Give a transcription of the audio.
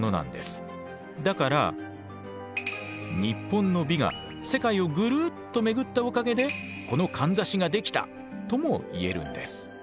だから日本の美が世界をぐるっと巡ったおかげでこのかんざしができたとも言えるんです。